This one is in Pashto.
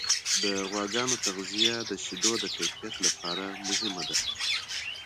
د غواګانو تغذیه د شیدو د کیفیت لپاره مهمه ده.